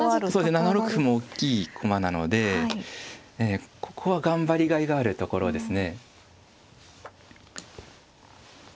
７六歩もおっきい駒なのでここは頑張りがいがあるところですね。